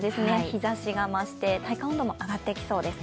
日ざしが増して、体感温度も上がってきそうです。